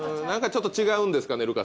なんかちょっと違うんですかね？